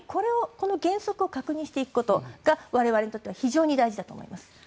この原則を確認していくことが我々にとっては非常に大事だと思います。